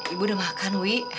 ibu udah makan wi